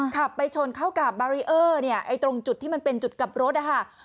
ขับไปชนเข้ากับบารีเออร์เนี่ยไอ้ตรงจุดที่มันเป็นจุดกลับรถนะคะ